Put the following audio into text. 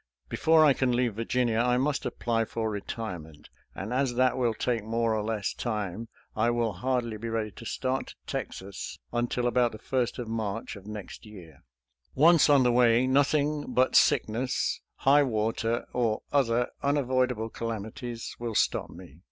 Be fore I can leave Virginia I must apply for re tirement, and as that will take more or less time I will hardly be ready to start to Texas until about the first of March of next year. Once on the way, nothing but sickness, high water, or other unavoidable calamities will stop me.